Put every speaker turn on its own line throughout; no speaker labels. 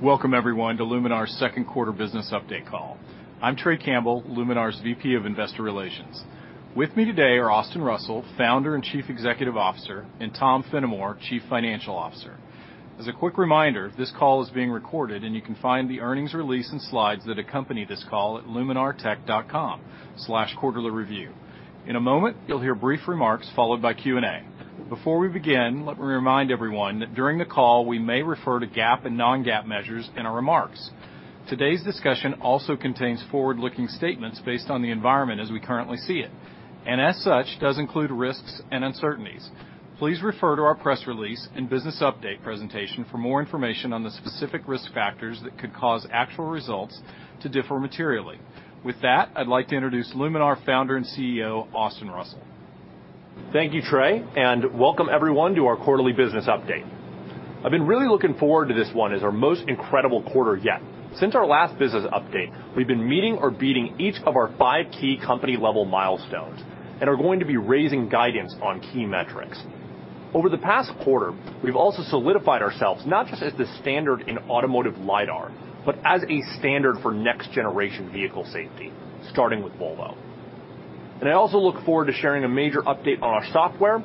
Welcome everyone to Luminar's 2nd quarter business update call. I'm Trey Campbell, Luminar's VP of Investor Relations. With me today are Austin Russell, founder and chief executive officer, and Tom Fennimore, chief financial officer. As a quick reminder, this call is being recorded, and you can find the earnings release and slides that accompany this call at luminartech.com/quarterlyreview. In a moment, you'll hear brief remarks followed by Q&A. Before we begin, let me remind everyone that during the call we may refer to GAAP and non-GAAP measures in our remarks. Today's discussion also contains forward-looking statements based on the environment as we currently see it, and as such, does include risks and uncertainties. Please refer to our press release and business update presentation for more information on the specific risk factors that could cause actual results to differ materially. With that, I'd like to introduce Luminar Founder and CEO, Austin Russell.
Thank you, Trey. Welcome everyone to our quarterly business update. I've been really looking forward to this one as our most incredible quarter yet. Since our last business update, we've been meeting or beating each of our 5 key company level milestones and are going to be raising guidance on key metrics. Over the past quarter, we've also solidified ourselves not just as the standard in automotive LiDAR, but as a standard for next generation vehicle safety, starting with Volvo. I also look forward to sharing a major update on our software,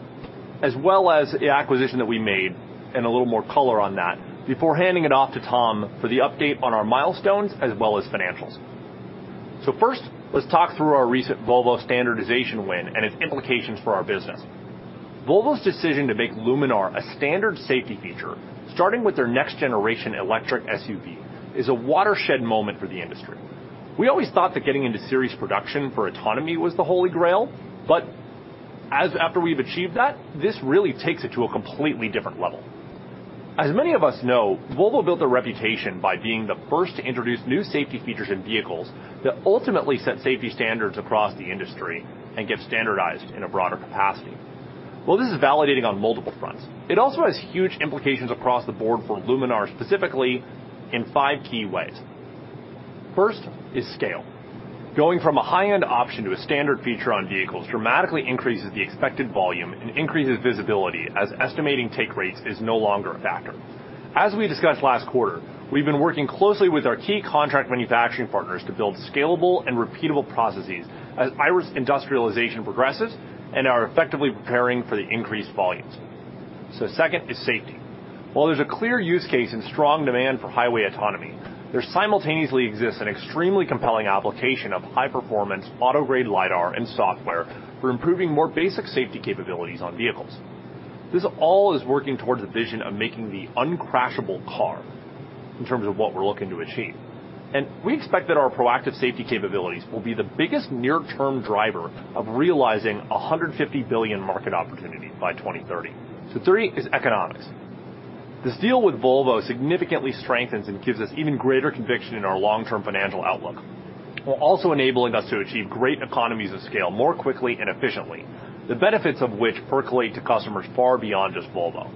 as well as the acquisition that we made and a little more color on that before handing it off to Tom for the update on our milestones as well as financials. First, let's talk through our recent Volvo standardization win and its implications for our business. Volvo's decision to make Luminar a standard safety feature, starting with their next generation electric SUV, is a watershed moment for the industry. We always thought that getting into series production for autonomy was the Holy Grail, but after we've achieved that, this really takes it to a completely different level. As many of us know, Volvo built a reputation by being the first to introduce new safety features in vehicles that ultimately set safety standards across the industry and get standardized in a broader capacity. While this is validating on multiple fronts, it also has huge implications across the board for Luminar, specifically in five key ways. First is scale. Going from a high-end option to a standard feature on vehicles dramatically increases the expected volume and increases visibility as estimating take rates is no longer a factor. As we discussed last quarter, we've been working closely with our key contract manufacturing partners to build scalable and repeatable processes as Iris industrialization progresses and are effectively preparing for the increased volumes. Second is safety. While there's a clear use case and strong demand for highway autonomy, there simultaneously exists an extremely compelling application of high performance auto-grade LiDAR and software for improving more basic safety capabilities on vehicles. This all is working towards a vision of making the uncrashable car, in terms of what we're looking to achieve. We expect that our proactive safety capabilities will be the biggest near term driver of realizing $150 billion market opportunity by 2030. Three is economics. This deal with Volvo significantly strengthens and gives us even greater conviction in our long-term financial outlook, while also enabling us to achieve great economies of scale more quickly and efficiently, the benefits of which percolate to customers far beyond just Volvo.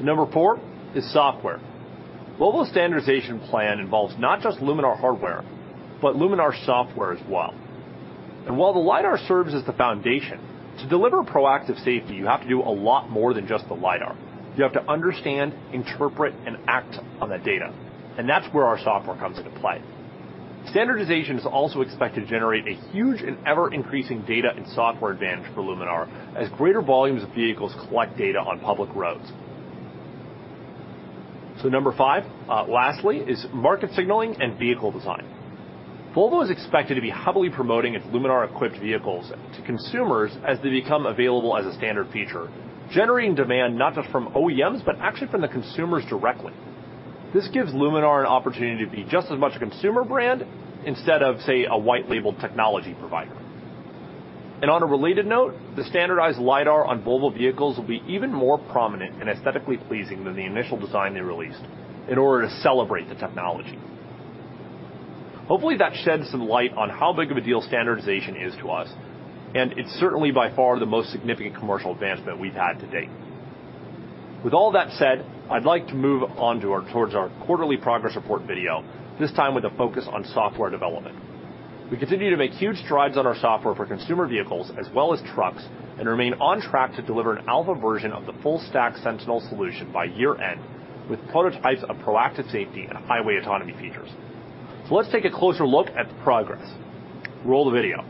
Number four is software. Volvo's standardization plan involves not just Luminar hardware, but Luminar software as well. While the LiDAR serves as the foundation, to deliver proactive safety, you have to do a lot more than just the LiDAR. You have to understand, interpret, and act on that data, and that's where our software comes into play. Standardization is also expected to generate a huge and ever-increasing data and software advantage for Luminar as greater volumes of vehicles collect data on public roads. Number five, lastly, is market signaling and vehicle design. Volvo is expected to be heavily promoting its Luminar equipped vehicles to consumers as they become available as a standard feature, generating demand not just from OEMs, but actually from the consumers directly. On a related note, the standardized LiDAR on Volvo vehicles will be even more prominent and aesthetically pleasing than the initial design they released in order to celebrate the technology. Hopefully that sheds some light on how big of a deal standardization is to us, and it's certainly by far the most significant commercial advancement we've had to date. With all that said, I'd like to move on towards our quarterly progress report video, this time with a focus on software development. We continue to make huge strides on our software for consumer vehicles as well as trucks, remain on track to deliver an alpha version of the full stack Sentinel solution by year end with prototypes of proactive safety and highway autonomy features. Let's take a closer look at the progress. Roll the video.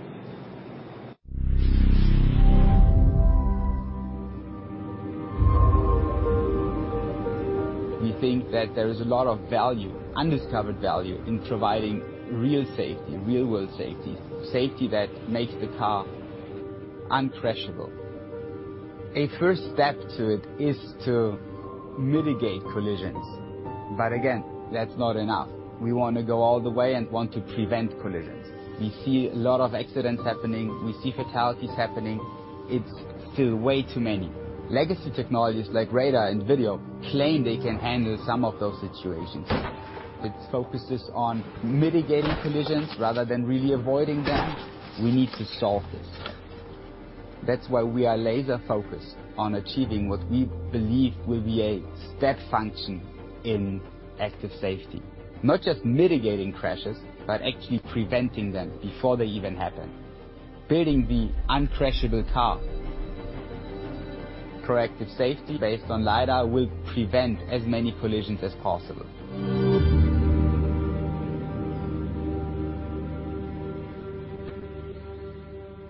We think that there is a lot of value, undiscovered value, in providing real safety, real world safety that makes the car uncrashable. A first step to it is to mitigate collisions. Again, that's not enough. We want to go all the way and want to prevent collisions. We see a lot of accidents happening. We see fatalities happening. It's still way too many. Legacy technologies like radar and video claim they can handle some of those situations. It focuses on mitigating collisions rather than really avoiding them. We need to solve this. That's why we are laser focused on achieving what we believe will be a step function in active safety, not just mitigating crashes, but actually preventing them before they even happen. Building the uncrashable car. Proactive safety based on LiDAR will prevent as many collisions as possible.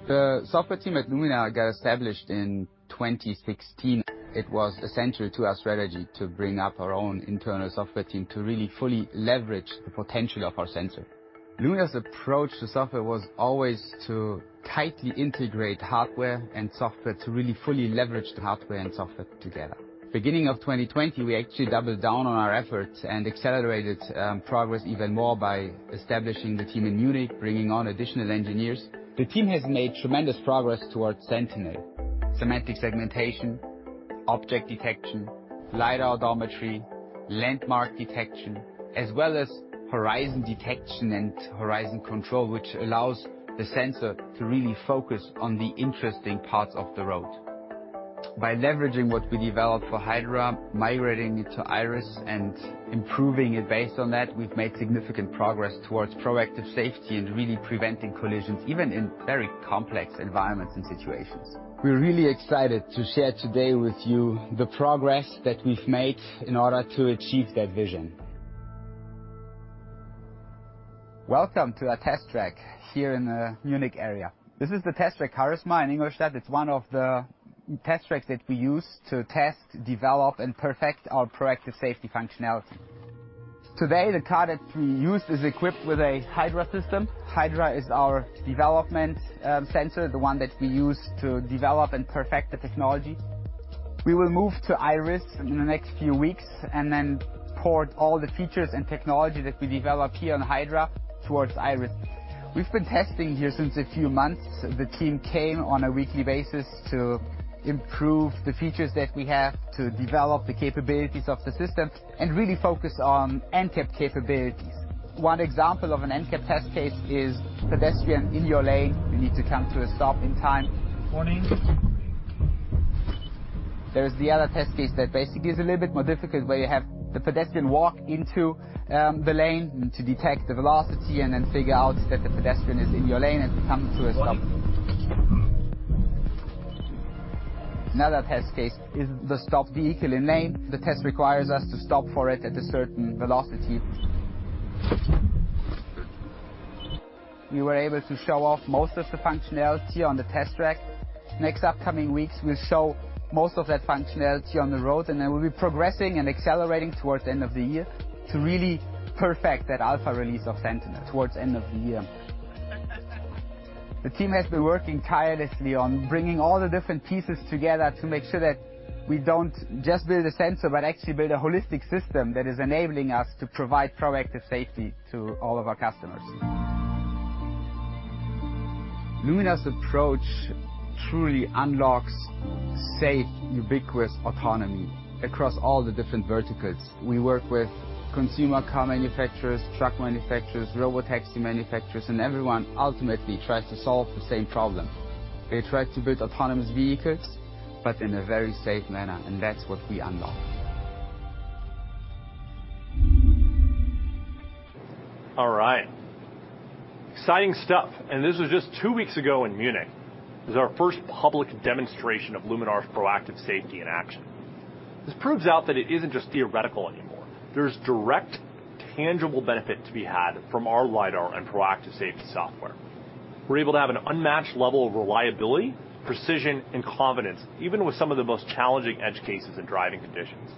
The software team at Luminar got established in 2016. It was essential to our strategy to bring up our own internal software team to really fully leverage the potential of our sensor. Luminar's approach to software was always to tightly integrate hardware and software to really fully leverage the hardware and software together. Beginning of 2020, we actually doubled down on our efforts and accelerated progress even more by establishing the team in Munich, bringing on additional engineers. The team has made tremendous progress towards Sentinel, semantic segmentation, object detection, LiDAR odometry, landmark detection, as well as horizon detection and horizon control, which allows the sensor to really focus on the interesting parts of the road. By leveraging what we developed for Hydra, migrating it to Iris, and improving it based on that, we've made significant progress towards proactive safety and really preventing collisions, even in very complex environments and situations. We're really excited to share today with you the progress that we've made in order to achieve that vision. Welcome to our test track here in the Munich area. This is the test track, [CARISSMA, in English], that it's one of the test tracks that we use to test, develop, and perfect our proactive safety functionality. Today, the car that we used is equipped with a Hydra system. Hydra is our development sensor, the one that we use to develop and perfect the technology. We will move to Iris in the next few weeks and then port all the features and technology that we develop here on Hydra towards Iris. We've been testing here since a few months. The team came on a weekly basis to improve the features that we have to develop the capabilities of the system and really focus on NCAP capabilities. One example of an NCAP test case is pedestrian in your lane. You need to come to a stop in time. There is the other test case that basically is a little bit more difficult, where you have the pedestrian walk into the lane, and to detect the velocity and then figure out that the pedestrian is in your lane and to come to a stop. Another test case is the stopped vehicle in lane. The test requires us to stop for it at a certain velocity. We were able to show off most of the functionality on the test track. Next upcoming weeks, we'll show most of that functionality on the road, and then we'll be progressing and accelerating towards the end of the year to really perfect that alpha release of Sentinel towards end of the year. The team has been working tirelessly on bringing all the different pieces together to make sure that we don't just build a sensor, but actually build a holistic system that is enabling us to provide proactive safety to all of our customers. Luminar's approach truly unlocks safe, ubiquitous autonomy across all the different verticals. We work with consumer car manufacturers, truck manufacturers, robotaxi manufacturers, and everyone ultimately tries to solve the same problem. They try to build autonomous vehicles, but in a very safe manner, and that's what we unlock.
All right. Exciting stuff. This was just two weeks ago in Munich. It was our first public demonstration of Luminar's proactive safety in action. This proves out that it isn't just theoretical anymore. There's direct, tangible benefit to be had from our LiDAR and proactive safety software. We're able to have an unmatched level of reliability, precision, and confidence, even with some of the most challenging edge cases and driving conditions.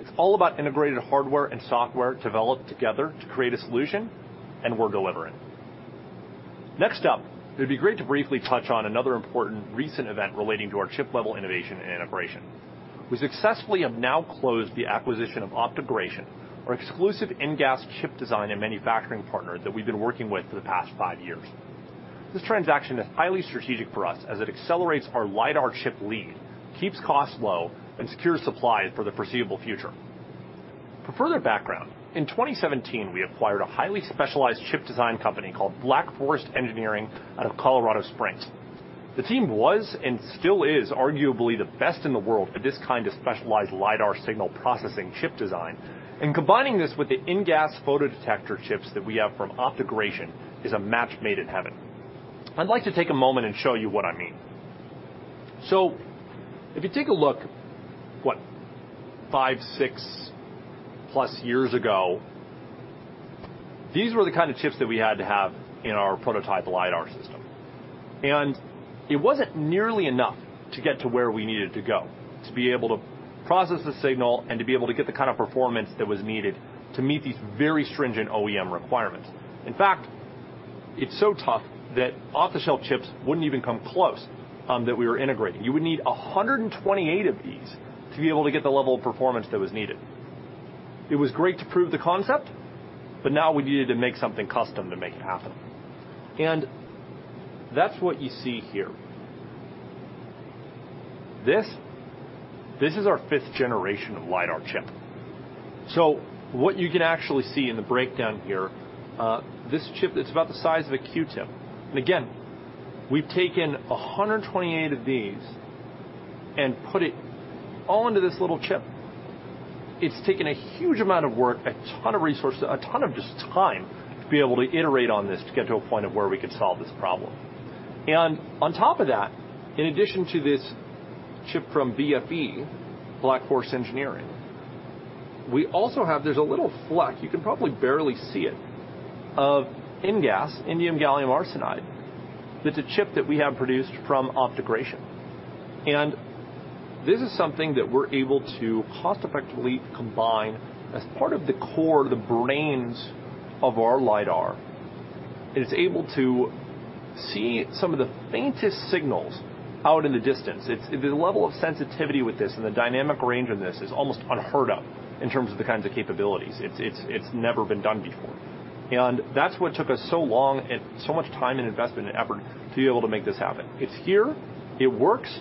It's all about integrated hardware and software developed together to create a solution, and we're delivering. Next up, it'd be great to briefly touch on another important recent event relating to our chip-level innovation and integration. We successfully have now closed the acquisition of OptoGration, our exclusive InGaAs chip design and manufacturing partner that we've been working with for the past five years. This transaction is highly strategic for us as it accelerates our LiDAR chip lead, keeps costs low, and secures supply for the foreseeable future. For further background, in 2017, we acquired a highly specialized chip design company called Black Forest Engineering out of Colorado Springs. The team was and still is arguably the best in the world at this kind of specialized LiDAR signal processing chip design, and combining this with the InGaAs photodetector chips that we have from OptoGration is a match made in heaven. I'd like to take a moment and show you what I mean. If you take a look, what, five, six plus years ago, these were the kind of chips that we had to have in our prototype LiDAR system. It wasn't nearly enough to get to where we needed to go to be able to process the signal and to be able to get the kind of performance that was needed to meet these very stringent OEM requirements. In fact, it's so tough that off-the-shelf chips wouldn't even come close that we were integrating. You would need 128 of these to be able to get the level of performance that was needed. It was great to prove the concept, but now we needed to make something custom to make it happen. That's what you see here. This is our fifth generation of LiDAR chip. What you can actually see in the breakdown here, this chip, it's about the size of a Q-tip. Again, we've taken 128 of these and put it all into this little chip. It's taken a huge amount of work, a ton of resources, a ton of just time to be able to iterate on this to get to a point of where we could solve this problem. On top of that, in addition to this chip from BFE, Black Forest Engineering, we also have, there's a little fleck, you can probably barely see it, of InGaAs, indium gallium arsenide. That's a chip that we have produced from OptoGration. This is something that we're able to cost effectively combine as part of the core, the brains of our LiDAR. It's able to see some of the faintest signals out in the distance. The level of sensitivity with this and the dynamic range of this is almost unheard of in terms of the kinds of capabilities. It's never been done before. That's what took us so long and so much time and investment and effort to be able to make this happen. It's here, it works,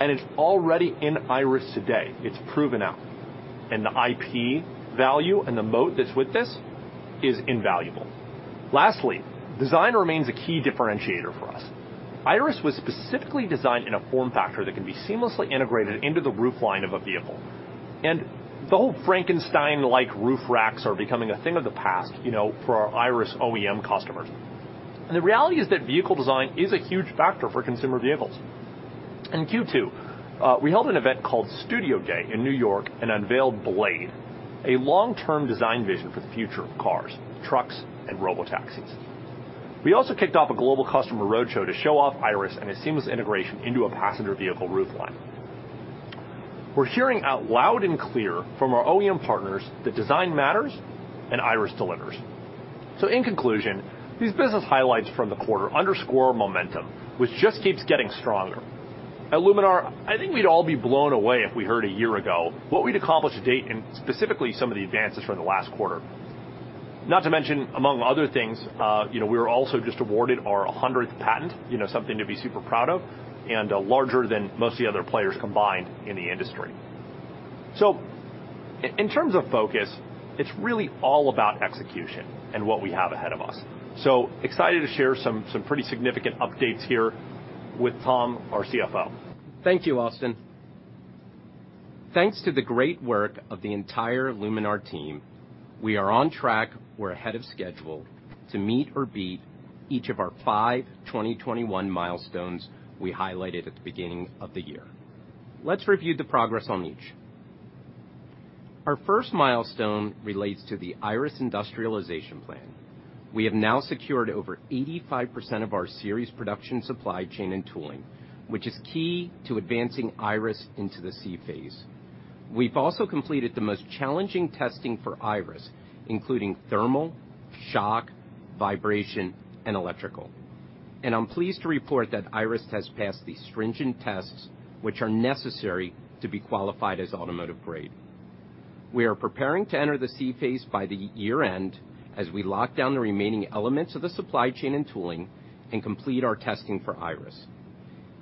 and it's already in Iris today. It's proven out. The IP value and the moat that's with this is invaluable. Lastly, design remains a key differentiator for us. Iris was specifically designed in a form factor that can be seamlessly integrated into the roofline of a vehicle. The whole Frankenstein-like roof racks are becoming a thing of the past for our Iris OEM customers. The reality is that vehicle design is a huge factor for consumer vehicles. In Q2, we held an event called Studio Day in New York and unveiled Blade, a long-term design vision for the future of cars, trucks, and robotaxis. We also kicked off a global customer roadshow to show off Iris and its seamless integration into a passenger vehicle roofline. We're hearing out loud and clear from our OEM partners that design matters and Iris delivers. In conclusion, these business highlights from the quarter underscore momentum, which just keeps getting stronger. At Luminar, I think we'd all be blown away if we heard a year ago what we'd accomplish to date, and specifically some of the advances from the last quarter. Not to mention, among other things, we were also just awarded our 100th patent, something to be super proud of, and larger than most of the other players combined in the industry. In terms of focus, it's really all about execution and what we have ahead of us. Excited to share some pretty significant updates here with Tom, our CFO.
Thank you, Austin. Thanks to the great work of the entire Luminar team, we are on track. We're ahead of schedule to meet or beat each of our 5 2021 milestones we highlighted at the beginning of the year. Let's review the progress on each. Our first milestone relates to the Iris industrialization plan. We have now secured over 85% of our series production supply chain and tooling, which is key to advancing Iris into the C phase. We've also completed the most challenging testing for Iris, including thermal, shock, vibration, and electrical. I'm pleased to report that Iris has passed the stringent tests which are necessary to be qualified as automotive grade. We are preparing to enter the C phase by the year end as we lock down the remaining elements of the supply chain and tooling and complete our testing for Iris.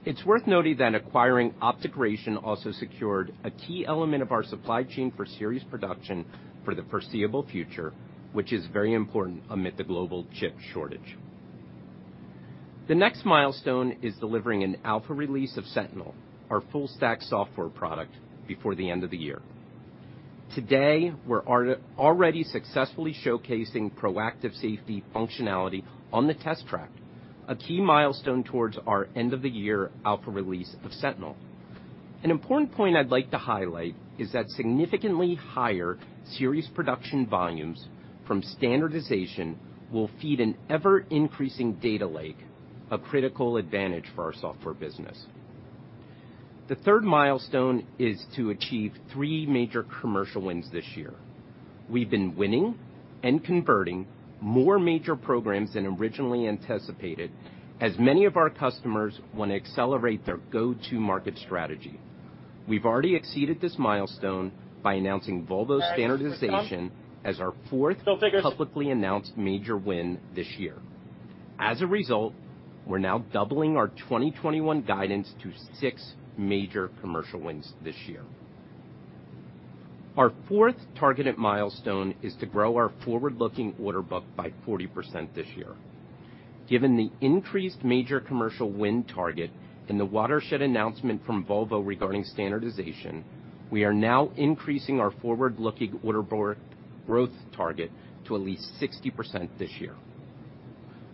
It's worth noting that acquiring OptoGration also secured a key element of our supply chain for series production for the foreseeable future, which is very important amid the global chip shortage. The next milestone is delivering an alpha release of Sentinel, our full stack software product, before the end of the year. Today, we're already successfully showcasing proactive safety functionality on the test track, a key milestone towards our end of the year alpha release of Sentinel. An important point I'd like to highlight is that significantly higher series production volumes from standardization will feed an ever-increasing data lake, a critical advantage for our software business. The third milestone is to achieve three major commercial wins this year. We've been winning and converting more major programs than originally anticipated, as many of our customers want to accelerate their go-to market strategy. We've already exceeded this milestone by announcing Volvo standardization as our fourth publicly announced major win this year. As a result, we're now doubling our 2021 guidance to six major commercial wins this year. Our fourth targeted milestone is to grow our forward-looking order book by 40% this year. Given the increased major commercial win target and the watershed announcement from Volvo regarding standardization, we are now increasing our forward-looking order book growth target to at least 60% this year.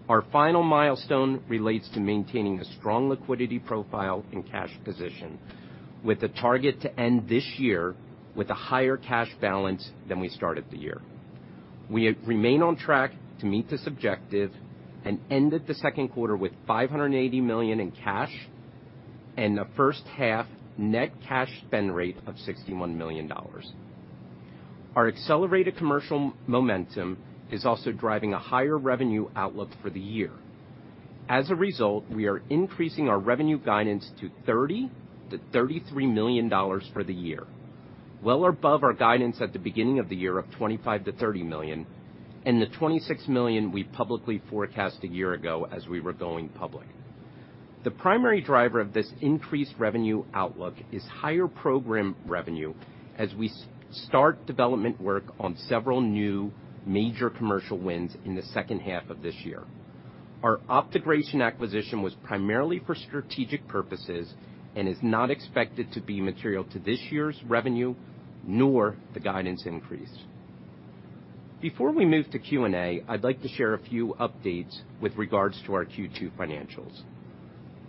Our final milestone relates to maintaining a strong liquidity profile and cash position with a target to end this year with a higher cash balance than we started the year. We remain on track to meet this objective and ended the second quarter with $580 million in cash and a first half net cash spend rate of $61 million. Our accelerated commercial momentum is also driving a higher revenue outlook for the year. As a result, we are increasing our revenue guidance to $30 million-$33 million for the year, well above our guidance at the beginning of the year of $25 million-$30 million and the $26 million we publicly forecast a year ago as we were going public. The primary driver of this increased revenue outlook is higher program revenue as we start development work on several new major commercial wins in the second half of this year. Our OptoGration acquisition was primarily for strategic purposes and is not expected to be material to this year's revenue, nor the guidance increase. Before we move to Q&A, I'd like to share a few updates with regards to our Q2 financials.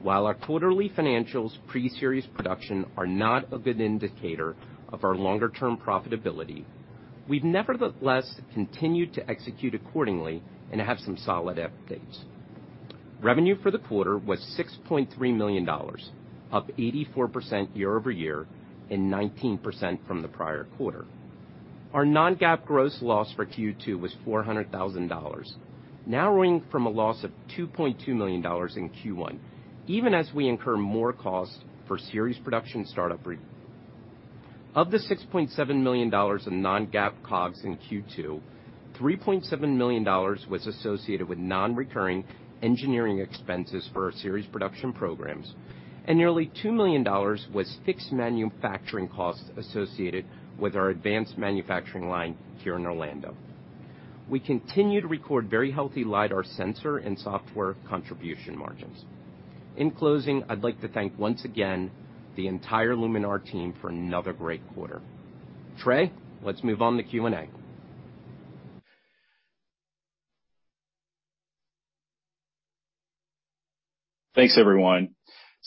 While our quarterly financials pre-series production are not a good indicator of our longer-term profitability, we've nevertheless continued to execute accordingly and have some solid updates. Revenue for the quarter was $6.3 million, up 84% year-over-year and 19% from the prior quarter. Our non-GAAP gross loss for Q2 was $400,000, narrowing from a loss of $2.2 million in Q1, even as we incur more cost for series production startup. Of the $6.7 million in non-GAAP COGS in Q2, $3.7 million was associated with non-recurring engineering expenses for our series production programs, and nearly $2 million was fixed manufacturing costs associated with our advanced manufacturing line here in Orlando. We continue to record very healthy LiDAR sensor and software contribution margins. In closing, I'd like to thank, once again, the entire Luminar team for another great quarter. Trey, let's move on to Q&A.
Thanks, everyone.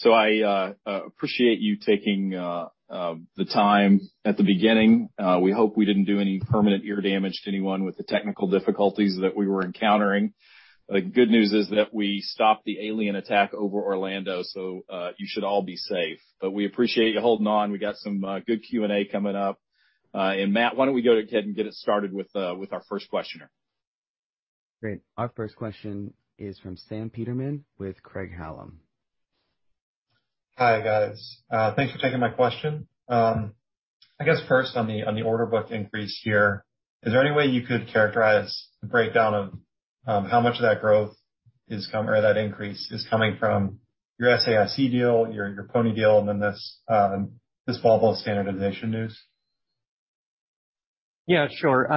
I appreciate you taking the time at the beginning. We hope we didn't do any permanent ear damage to anyone with the technical difficulties that we were encountering. The good news is that we stopped the alien attack over Orlando, so you should all be safe. We appreciate you holding on. We got some good Q&A coming up. Matt, why don't we go ahead and get it started with our first questioner.
Great. Our first question is from Sam Peterman with Craig-Hallum.
Hi, guys. Thanks for taking my question. I guess first on the order book increase here, is there any way you could characterize the breakdown of how much of that growth or that increase is coming from your SAIC deal, your Pony.ai deal, and then this Volvo standardization news?
Yeah, sure.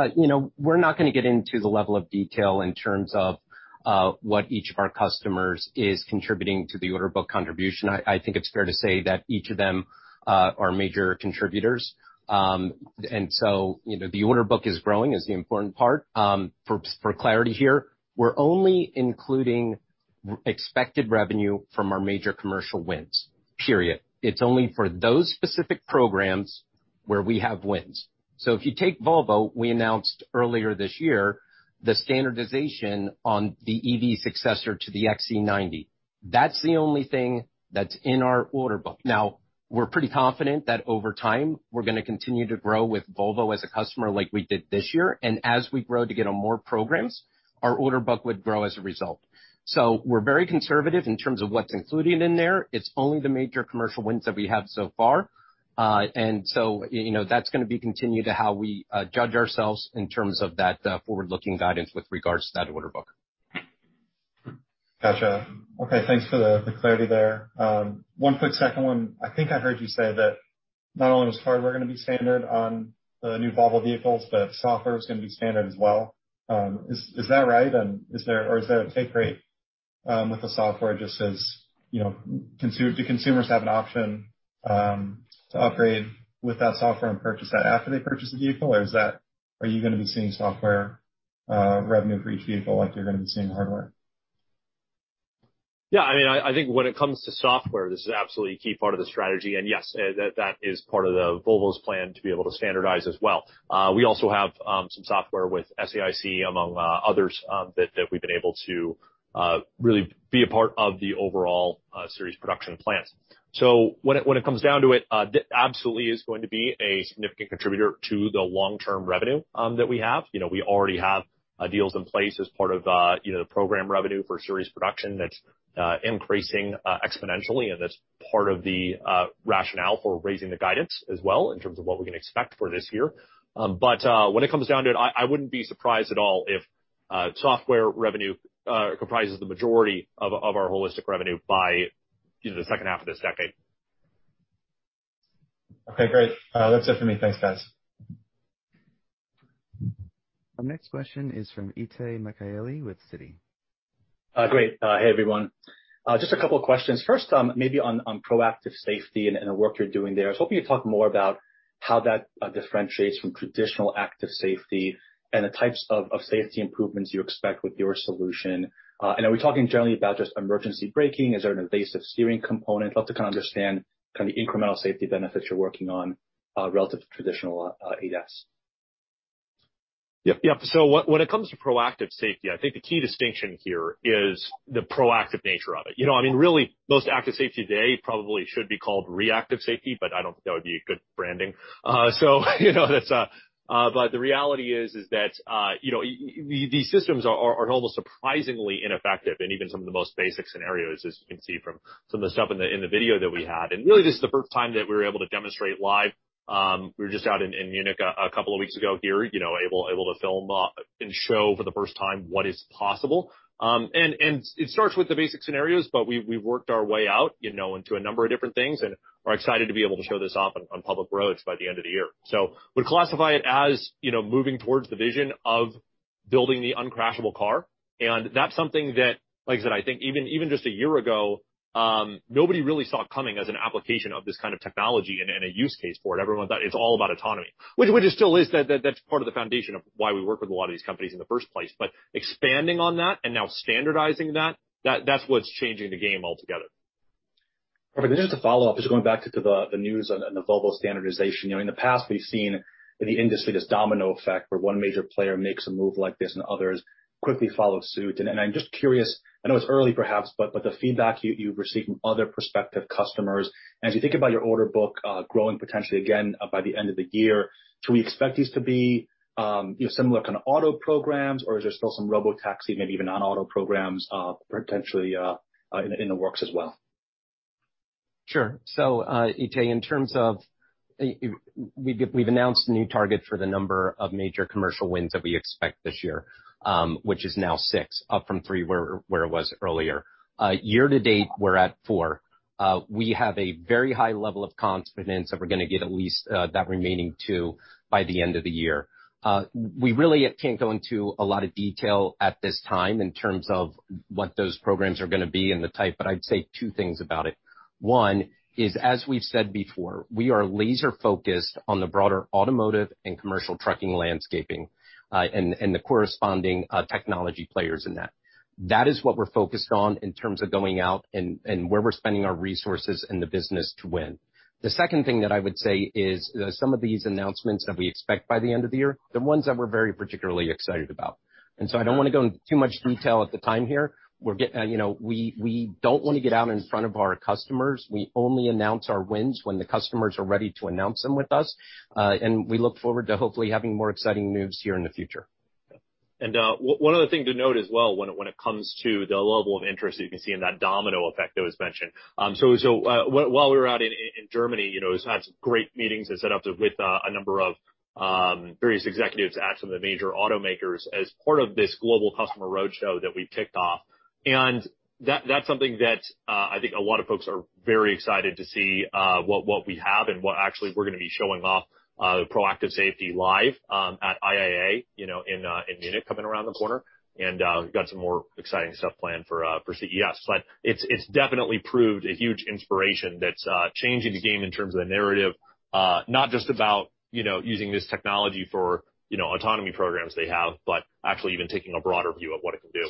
We're not going to get into the level of detail in terms of what each of our customers is contributing to the order book contribution. I think it's fair to say that each of them are major contributors. The order book is growing, is the important part. For clarity here, we're only including expected revenue from our major commercial wins. It's only for those specific programs where we have wins. If you take Volvo, we announced earlier this year the standardization on the EV successor to the XC90. That's the only thing that's in our order book. We're pretty confident that over time, we're going to continue to grow with Volvo as a customer like we did this year. As we grow to get on more programs, our order book would grow as a result. We're very conservative in terms of what's included in there. It's only the major commercial wins that we have so far. That's going to be continued to how we judge ourselves in terms of that forward-looking guidance with regards to that order book.
Got you. Okay, thanks for the clarity there. One quick second one. I think I heard you say that not only is hardware going to be standard on the new Volvo vehicles, but software is going to be standard as well. Is that right? Is there a take rate with the software just as do consumers have an option to upgrade with that software and purchase that after they purchase the vehicle, or are you going to be seeing software revenue for each vehicle like you're going to be seeing hardware?
Yeah, I think when it comes to software, this is absolutely a key part of the strategy. Yes, that is part of Volvo's plan to be able to standardize as well. We also have some software with SAIC, among others, that we've been able to really be a part of the overall series production plans. When it comes down to it, that absolutely is going to be a significant contributor to the long-term revenue that we have. We already have deals in place as part of the program revenue for series production that's increasing exponentially, and that's part of the rationale for raising the guidance as well in terms of what we can expect for this year. When it comes down to it, I wouldn't be surprised at all if software revenue comprises the majority of our holistic revenue by the second half of this decade.
Okay, great. That's it for me. Thanks, guys.
Our next question is from Itay Michaeli with Citi.
Great. Hey, everyone. Just a couple of questions. First, maybe on proactive safety and the work you're doing there. I was hoping you'd talk more about how that differentiates from traditional active safety and the types of safety improvements you expect with your solution. Are we talking generally about just emergency braking? Is there an evasive steering component? Love to kind of understand the incremental safety benefits you're working on relative to traditional ADS.
Yep. When it comes to proactive safety, I think the key distinction here is the proactive nature of it. Really, most active safety today probably should be called reactive safety, but I don't think that would be a good branding. The reality is that these systems are almost surprisingly ineffective in even some of the most basic scenarios, as you can see from some of the stuff in the video that we had. Really, this is the first time that we were able to demonstrate live. We were just out in Munich a couple of weeks ago here, able to film and show for the first time what is possible. It starts with the basic scenarios, but we've worked our way out into a number of different things, and are excited to be able to show this off on public roads by the end of the year. Would classify it as moving towards the vision of Building the Uncrashable Car. That's something that, like I said, I think even just a year ago, nobody really saw coming as an application of this kind of technology and a use case for it. Everyone thought it's all about autonomy, which it still is. That's part of the foundation of why we work with a lot of these companies in the first place. Expanding on that and now standardizing that's what's changing the game altogether.
Perfect. Just to follow up, just going back to the news and the Volvo standardization. In the past, we've seen in the industry this domino effect where one major player makes a move like this, and others quickly follow suit. I'm just curious, I know it's early perhaps, but the feedback you receive from other prospective customers, and as you think about your order book growing potentially again by the end of the year, can we expect these to be similar kind of auto programs? Or is there still some robotaxi, maybe even non-auto programs, potentially in the works as well?
Sure. Itay, we've announced a new target for the number of major commercial wins that we expect this year, which is now six, up from three where it was earlier. Year to date, we're at four. We have a very high level of confidence that we're going to get at least that remaining two by the end of the year. We really can't go into a lot of detail at this time in terms of what those programs are going to be and the type, but I'd say two things about it. One is, as we've said before, we are laser-focused on the broader automotive and commercial trucking landscaping, and the corresponding technology players in that. That is what we're focused on in terms of going out and where we're spending our resources in the business to win. The second thing that I would say is that some of these announcements that we expect by the end of the year are ones that we're very particularly excited about. I don't want to go into too much detail at the time here. We don't want to get out in front of our customers. We only announce our wins when the customers are ready to announce them with us. We look forward to hopefully having more exciting news here in the future.
One other thing to note as well when it comes to the level of interest that you can see and that domino effect that was mentioned. While we were out in Germany, we just had some great meetings and set up with a number of various executives at some of the major automakers as part of this global customer roadshow that we've kicked off. That's something that I think a lot of folks are very excited to see what we have and what actually we're going to be showing off, the proactive safety live at IAA, in Munich coming around the corner. We've got some more exciting stuff planned for CES. It's definitely proved a huge inspiration that's changing the game in terms of the narrative. Not just about using this technology for autonomy programs they have, but actually even taking a broader view of what it can do.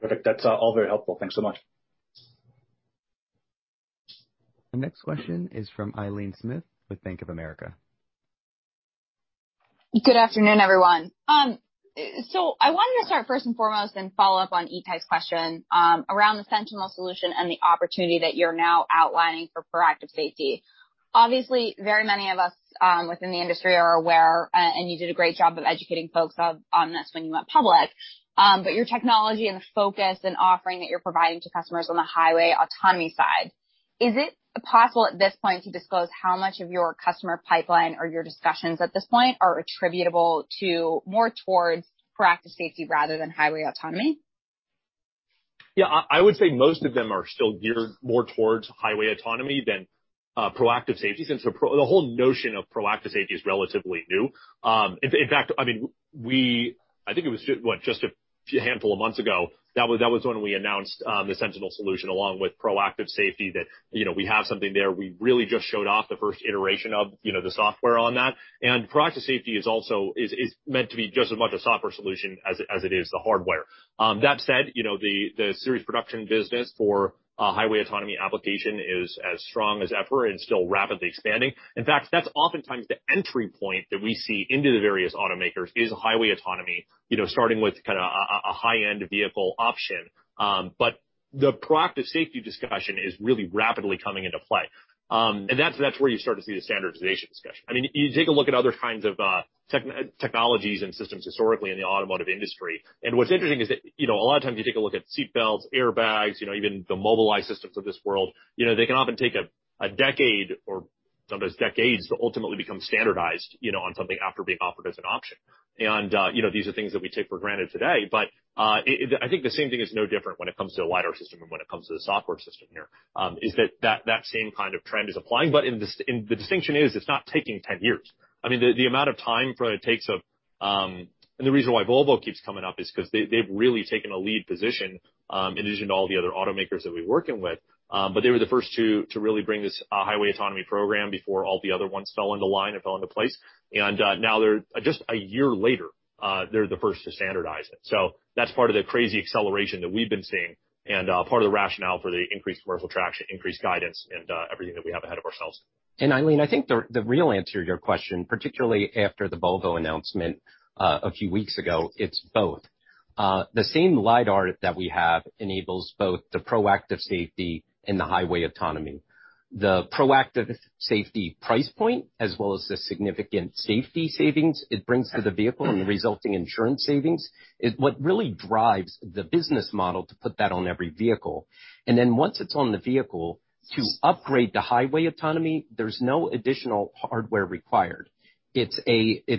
Perfect. That's all very helpful. Thanks so much.
The next question is from Aileen Smith with Bank of America.
Good afternoon, everyone. I wanted to start first and foremost and follow up on Itay's question around the Sentinel solution and the opportunity that you're now outlining for proactive safety. Obviously, very many of us within the industry are aware, and you did a great job of educating folks on this when you went public, but your technology and the focus and offering that you're providing to customers on the highway autonomy side, is it possible at this point to disclose how much of your customer pipeline or your discussions at this point are attributable to more towards proactive safety rather than highway autonomy?
Yeah. I would say most of them are still geared more towards highway autonomy than proactive safety since the whole notion of proactive safety is relatively new. I think it was just a handful of months ago, that was when we announced the Sentinel solution along with proactive safety that we have something there. We really just showed off the first iteration of the software on that. Proactive safety is meant to be just as much a software solution as it is the hardware. That said, the series production business for highway autonomy application is as strong as ever and still rapidly expanding. That's oftentimes the entry point that we see into the various automakers is highway autonomy, starting with kind of a high-end vehicle option. The proactive safety discussion is really rapidly coming into play. That's where you start to see the standardization discussion. You take a look at other kinds of technologies and systems historically in the automotive industry, what's interesting is that a lot of times you take a look at seatbelts, airbags, even the Mobileye systems of this world, they can often take a decade or sometimes decades to ultimately become standardized on something after being offered as an option. These are things that we take for granted today. I think the same thing is no different when it comes to a LiDAR system and when it comes to the software system here, is that same kind of trend is applying. The distinction is it's not taking 10 years. The amount of time it takes, and the reason why Volvo keeps coming up is because they've really taken a lead position, in addition to all the other automakers that we're working with. They were the first to really bring this highway autonomy program before all the other ones fell into line and fell into place. Now just a year later, they're the first to standardize it. That's part of the crazy acceleration that we've been seeing and part of the rationale for the increased commercial traction, increased guidance, and everything that we have ahead of ourselves.
Aileen, I think the real answer to your question, particularly after the Volvo announcement a few weeks ago, it's both. The same LiDAR that we have enables both the proactive safety and the highway autonomy. The proactive safety price point, as well as the significant safety savings it brings to the vehicle and the resulting insurance savings, is what really drives the business model to put that on every vehicle. Once it's on the vehicle, to upgrade to highway autonomy, there's no additional hardware required. It's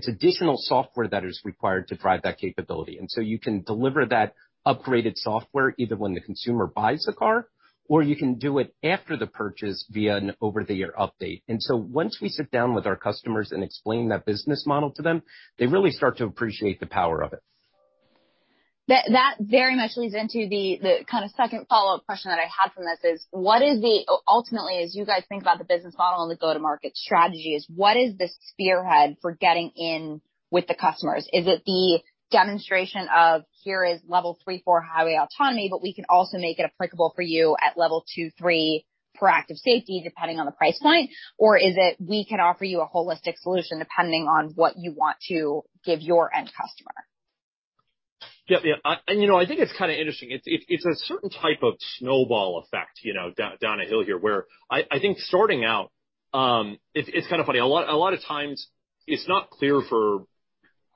additional software that is required to drive that capability. You can deliver that upgraded software either when the consumer buys the car, or you can do it after the purchase via an over-the-air update. Once we sit down with our customers and explain that business model to them, they really start to appreciate the power of it.
That very much leads into the kind of second follow-up question that I had from this is, ultimately, as you guys think about the business model and the go-to-market strategy, what is the spearhead for getting in with the customers? Is it the demonstration of here is level 3, 4 highway autonomy, but we can also make it applicable for you at level 2, 3 proactive safety depending on the price point? Is it we can offer you a holistic solution depending on what you want to give your end customer?
Yeah. I think it's kind of interesting. It's a certain type of snowball effect down a hill here where I think starting out, it's kind of funny, a lot of times it's not clear for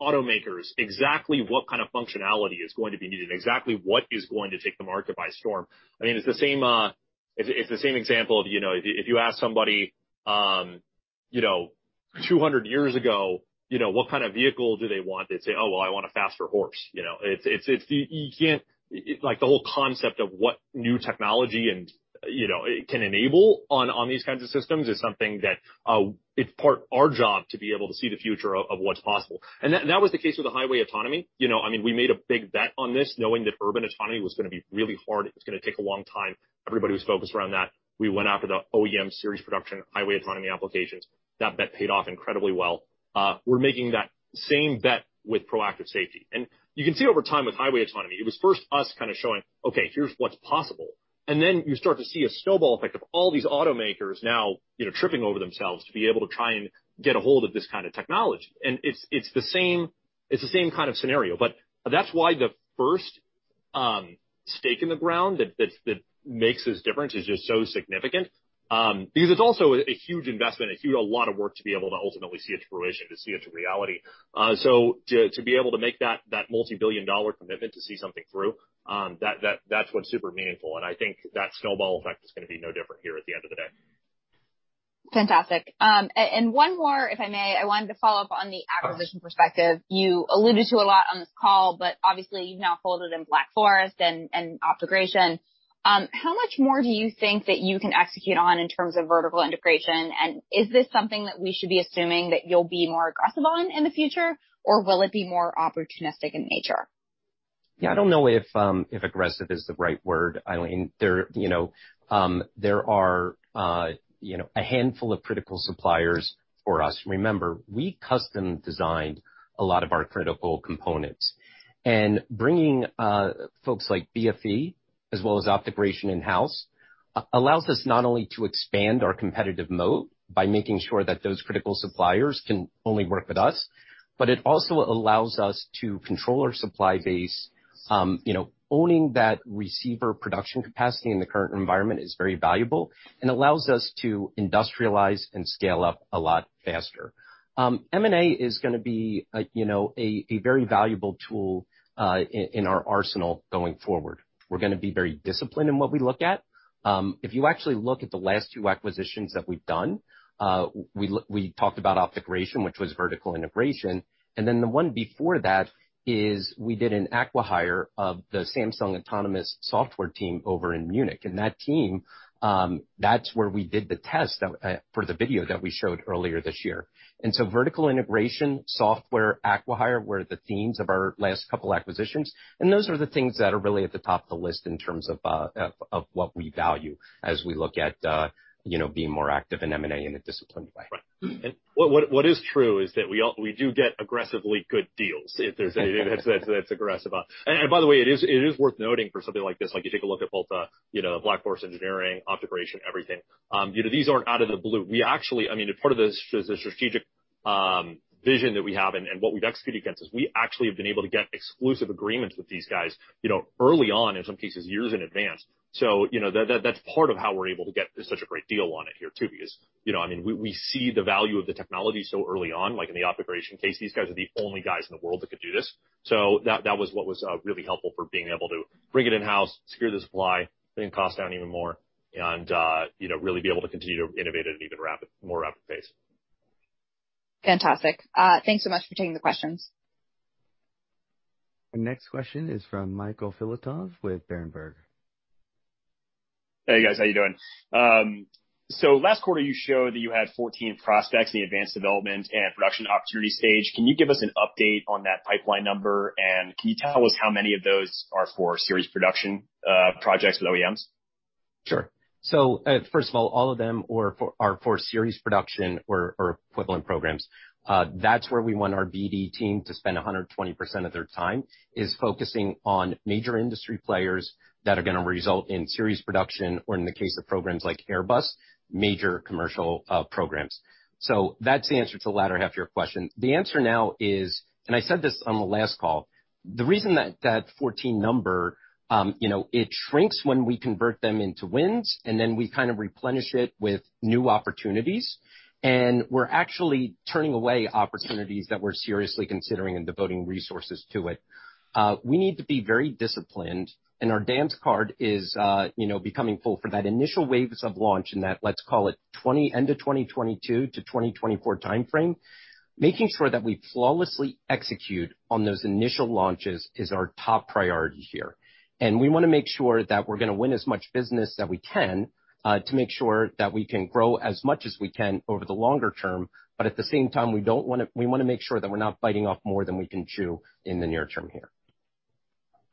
automakers exactly what kind of functionality is going to be needed, exactly what is going to take the market by storm. It's the same example of, if you ask somebody 200 years ago, what kind of vehicle do they want? They'd say, "Oh, well, I want a faster horse." The whole concept of what new technology can enable on these kinds of systems is something that it's part our job to be able to see the future of what's possible. That was the case with the highway autonomy. We made a big bet on this knowing that urban autonomy was going to be really hard. It was going to take a long time. Everybody was focused around that. We went after the OEM series production highway autonomy applications. That bet paid off incredibly well. We're making that same bet with proactive safety. You can see over time with highway autonomy, it was first us kind of showing, okay, here's what's possible. You start to see a snowball effect of all these automakers now tripping over themselves to be able to try and get a hold of this kind of technology. It's the same kind of scenario. That's why the first stake in the ground that makes this difference is just so significant, because it's also a huge investment, a lot of work to be able to ultimately see it to fruition, to see it to reality. To be able to make that multibillion-dollar commitment to see something through, that's what's super meaningful. I think that snowball effect is going to be no different here at the end of the day.
Fantastic. One more, if I may. I wanted to follow up on the acquisition perspective. You alluded to a lot on this call, but obviously, you've now folded in Black Forest and OptoGration. How much more do you think that you can execute on in terms of vertical integration? Is this something that we should be assuming that you'll be more aggressive on in the future? Or will it be more opportunistic in nature?
Yeah, I don't know if aggressive is the right word, Aileen. There are a handful of critical suppliers for us. Remember, we custom designed a lot of our critical components. Bringing folks like BFE as well as OptoGration in-house, allows us not only to expand our competitive moat by making sure that those critical suppliers can only work with us, it also allows us to control our supply base. Owning that receiver production capacity in the current environment is very valuable and allows us to industrialize and scale up a lot faster. M&A is going to be a very valuable tool in our arsenal going forward. We're going to be very disciplined in what we look at. If you actually look at the last two acquisitions that we've done, we talked about OptoGration, which was vertical integration. The one before that is we did an acquihire of the Samsung autonomous software team over in Munich. That team, that's where we did the test for the video that we showed earlier this year. Vertical integration, software, acquihire were the themes of our last couple acquisitions, and those are the things that are really at the top of the list in terms of what we value as we look at being more active in M&A in a disciplined way.
Right. What is true is that we do get aggressively good deals if there's anything that's aggressive. By the way, it is worth noting for something like this, if you take a look at both Black Forest Engineering, OptoGration, everything. These aren't out of the blue. Part of the strategic vision that we have and what we've executed against is we actually have been able to get exclusive agreements with these guys early on, in some cases, years in advance. That's part of how we're able to get such a great deal on it here, too. We see the value of the technology so early on, like in the OptoGration case, these guys are the only guys in the world that could do this. That was what was really helpful for being able to bring it in-house, secure the supply, bring cost down even more, and really be able to continue to innovate at an even more rapid pace.
Fantastic. Thanks so much for taking the questions.
Our next question is from Michael Filatov with Berenberg.
Hey, guys. How you doing? Last quarter, you showed that you had 14 prospects in the advanced development and production opportunity stage. Can you give us an update on that pipeline number? Can you tell us how many of those are for series production projects with OEMs?
Sure. First of all of them are for series production or equivalent programs. That's where we want our BD team to spend 120% of their time is focusing on major industry players that are going to result in series production or in the case of programs like Airbus, major commercial programs. That's the answer to the latter half of your question. The answer now is, I said this on the last call, the reason that that 14 number, it shrinks when we convert them into wins, and then we kind of replenish it with new opportunities. We're actually turning away opportunities that we're seriously considering and devoting resources to it. We need to be very disciplined, our dance card is becoming full for that initial waves of launch in that, let's call it end of 2022 to 2024 timeframe. Making sure that we flawlessly execute on those initial launches is our top priority here. We want to make sure that we're going to win as much business that we can, to make sure that we can grow as much as we can over the longer term. At the same time, we want to make sure that we're not biting off more than we can chew in the near term here.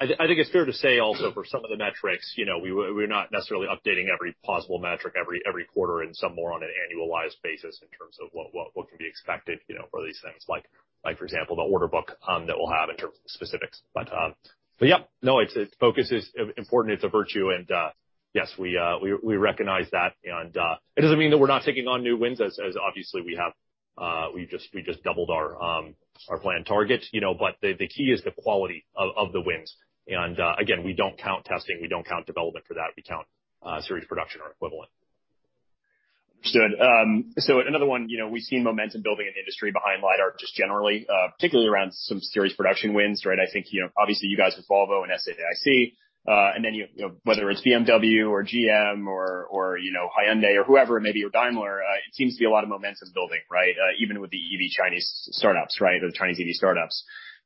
I think it's fair to say also for some of the metrics, we're not necessarily updating every possible metric every quarter and some more on an annualized basis in terms of what can be expected for these things. For example, the order book that we'll have in terms of specifics. Yes. Focus is important. It's a virtue, and yes, we recognize that. It doesn't mean that we're not taking on new wins as obviously we have. We just doubled our planned targets. The key is the quality of the wins. Again, we don't count testing, we don't count development for that. We count series production or equivalent.
Understood. Another one, we've seen momentum building in the industry behind LiDAR just generally, particularly around some series production wins, right? I think, obviously you guys with Volvo and SAIC, and then whether it's BMW or GM or Hyundai or whoever it may be, or Daimler, it seems to be a lot of momentum building, right? Even with the EV Chinese startups. The Chinese EV startups.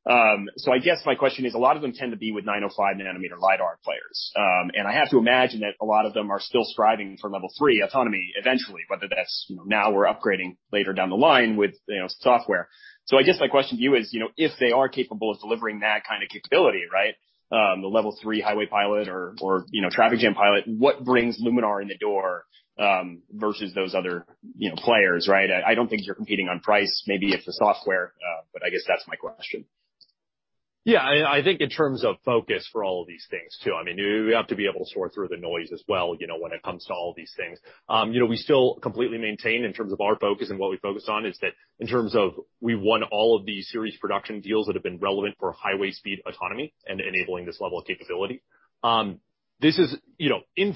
I guess my question is, a lot of them tend to be with 905 nm LiDAR players. I have to imagine that a lot of them are still striving for level 3 autonomy eventually, whether that's now or upgrading later down the line with software. I guess my question to you is, if they are capable of delivering that kind of capability, the level 3 highway pilot or traffic jam pilot, what brings Luminar in the door, versus those other players, right? I don't think you're competing on price. Maybe it's the software, but I guess that's my question.
Yeah, I think in terms of focus for all of these things too, we have to be able to sort through the noise as well when it comes to all these things. We still completely maintain in terms of our focus and what we focus on is that in terms of, we won all of these series production deals that have been relevant for highway speed autonomy and enabling this level of capability. In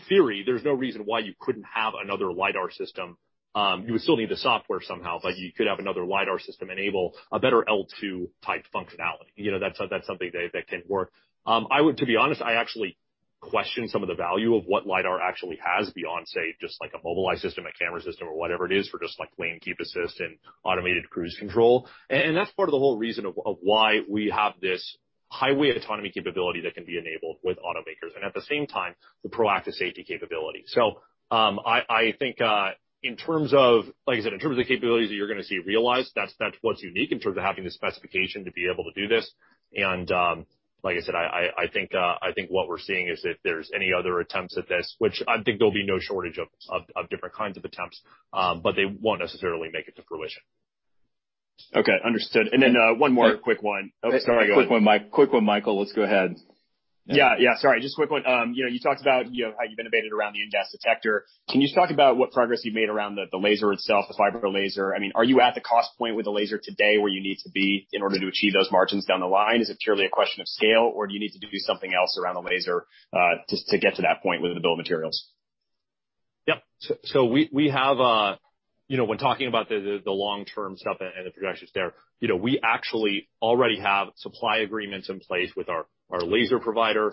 theory, there's no reason why you couldn't have another LiDAR system. You would still need the software somehow, you could have another LiDAR system enable a better L2 type functionality. That's something that can work. To be honest, I actually question some of the value of what LiDAR actually has beyond, say, just like a Mobileye system, a camera system or whatever it is for just lane keep assist and automated cruise control. That's part of the whole reason of why we have this highway autonomy capability that can be enabled with automakers, at the same time, the proactive safety capability. I think, like I said, in terms of the capabilities that you're going to see realized, that's what's unique in terms of having the specification to be able to do this. Like I said, I think what we're seeing is if there's any other attempts at this, which I think there'll be no shortage of different kinds of attempts, but they won't necessarily make it to fruition.
Okay, understood. one more quick one. Oh, sorry.
Quick one, Michael. Let's go ahead.
Yeah, sorry, just a quick one. You talked about how you've innovated around the InGaAs detector. Can you just talk about what progress you've made around the laser itself, the fiber laser? Are you at the cost point with the laser today where you need to be in order to achieve those margins down the line? Is it purely a question of scale, or do you need to do something else around the laser, just to get to that point with the bill of materials?
Yep. When talking about the long-term stuff and the progressions there, we actually already have supply agreements in place with our laser provider,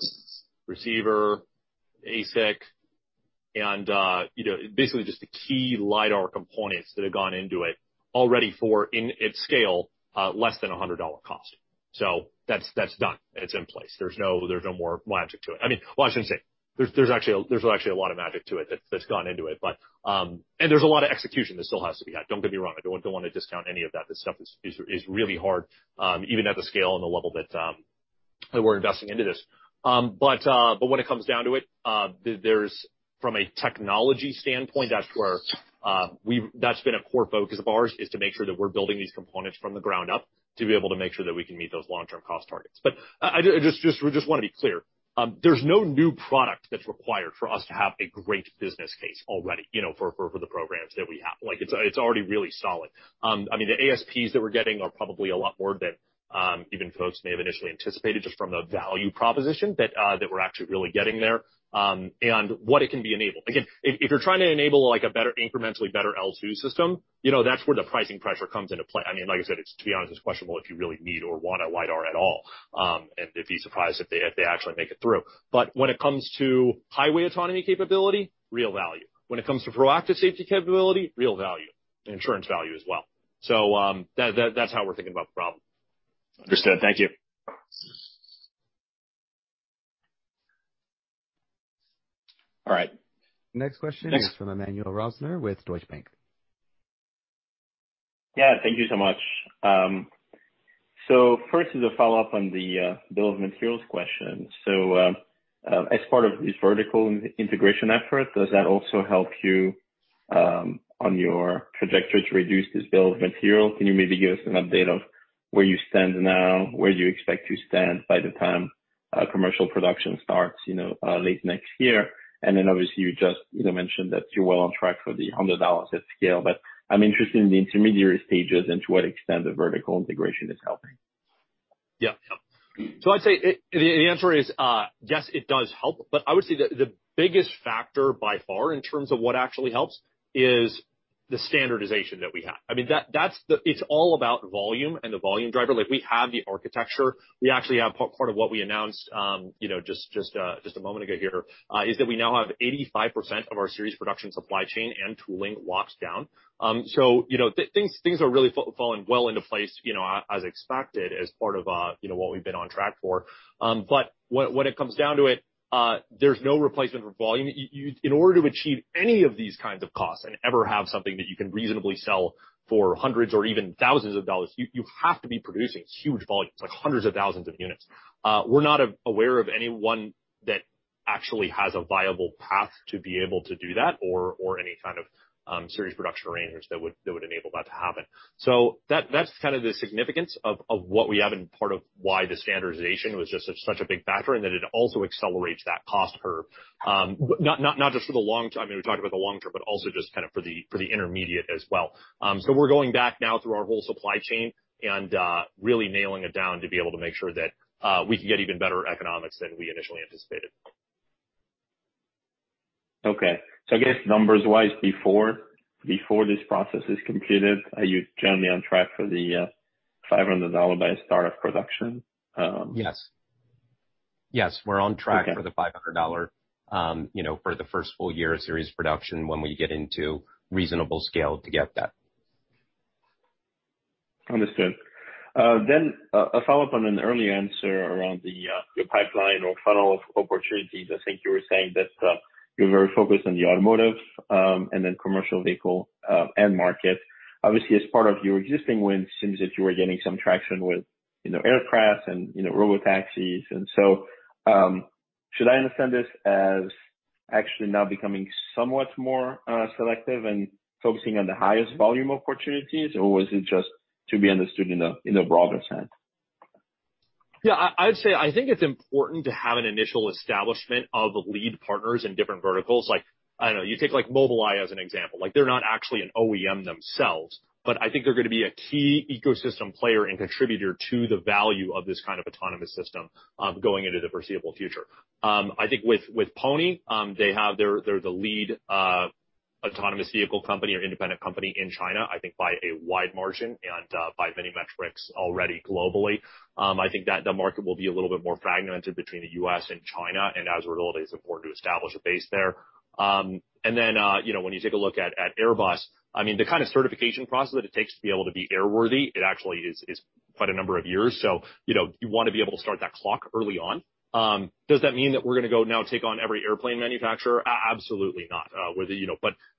receiver, ASIC, and basically just the key LiDAR components that have gone into it already for, in its scale, less than $100 cost. That's done. It's in place. There's no more magic to it. Well, I shouldn't say. There's actually a lot of magic to it that's gone into it, and there's a lot of execution that still has to be had. Don't get me wrong. I don't want to discount any of that. This stuff is really hard, even at the scale and the level that we're investing into this. When it comes down to it, from a technology standpoint, that's been a core focus of ours, is to make sure that we're building these components from the ground up to be able to make sure that we can meet those long-term cost targets. I just want to be clear. There's no new product that's required for us to have a great business case already for the programs that we have. It's already really solid. The ASPs that we're getting are probably a lot more than even folks may have initially anticipated, just from the value proposition that we're actually really getting there, and what it can enable. Again, if you're trying to enable an incrementally better L2 system, that's where the pricing pressure comes into play. Like I said, to be honest, it's questionable if you really need or want a LiDAR at all, and I'd be surprised if they actually make it through. When it comes to highway autonomy capability, real value. When it comes to proactive safety capability, real value. Insurance value as well. That's how we're thinking about the problem.
Understood. Thank you.
All right.
Next question is from Emmanuel Rosner with Deutsche Bank.
Yeah, thank you so much. First is a follow-up on the bill of materials question. As part of this vertical integration effort, does that also help you on your trajectory to reduce this bill of material? Can you maybe give us an update of where you stand now, where you expect to stand by the time commercial production starts late next year? Then, obviously, you just mentioned that you're well on track for the $100 at scale, but I'm interested in the intermediary stages and to what extent the vertical integration is helping.
I'd say the answer is yes, it does help, but I would say the biggest factor by far in terms of what actually helps is the standardization that we have. It's all about volume and the volume driver. We have the architecture. We actually have part of what we announced just a moment ago here, is that we now have 85% of our series production supply chain and tooling locked down. Things are really falling well into place as expected as part of what we've been on track for. When it comes down to it, there's no replacement for volume. In order to achieve any of these kinds of costs and ever have something that you can reasonably sell for hundreds or even thousands of dollars, you have to be producing huge volumes, like hundreds of thousands of units. We're not aware of anyone that actually has a viable path to be able to do that or any kind of series production arrangements that would enable that to happen. That's kind of the significance of what we have and part of why the standardization was just such a big factor, and that it also accelerates that cost curve. Not just for the long-term, I mean, we talked about the long-term, but also just for the intermediate as well. We're going back now through our whole supply chain and really nailing it down to be able to make sure that we can get even better economics than we initially anticipated.
Okay. I guess numbers-wise, before this process is completed, are you generally on track for the $500 by start of production?
Yes. Yes, we're on track.
Okay
for the $500, for the first full year of series production when we get into reasonable scale to get that.
Understood. A follow-up on an earlier answer around your pipeline or funnel of opportunities. I think you were saying that you are very focused on the automotive, and then commercial vehicle end market. Obviously, as part of your existing win, it seems that you are getting some traction with aircraft and robotaxis. Should I understand this as actually now becoming somewhat more selective and focusing on the highest volume opportunities, or was it just to be understood in a broader sense?
Yeah, I'd say, I think it's important to have an initial establishment of lead partners in different verticals. Like, I don't know, you take like Mobileye as an example. They're not actually an OEM themselves, but I think they're going to be a key ecosystem player and contributor to the value of this kind of autonomous system going into the foreseeable future. I think with Pony.ai, they're the lead autonomous vehicle company or independent company in China, I think by a wide margin and by many metrics already globally. I think that the market will be a little bit more fragmented between the U.S. and China, and as a result, it is important to establish a base there. Then, when you take a look at Airbus, I mean, the kind of certification process that it takes to be able to be airworthy, it actually is quite a number of years. You want to be able to start that clock early on. Does that mean that we're going to go now take on every airplane manufacturer? Absolutely not.